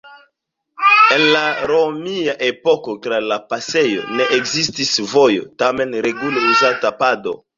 En la romia epoko tra la pasejo ne ekzistis vojo, tamen regule uzata pado.